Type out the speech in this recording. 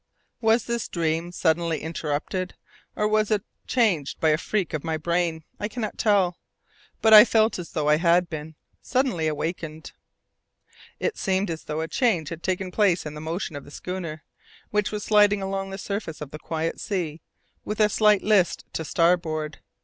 Was this dream suddenly interrupted, or was it changed by a freak of my brain? I cannot tell, but I felt as though I had been suddenly awakened. It seemed as though a change had taken place in the motion of the schooner, which was sliding along on the surface of the quiet sea, with a slight list to starboard.